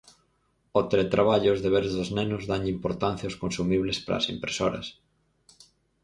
O teletraballo e os deberes dos nenos danlle importancia aos consumibles para as impresoras.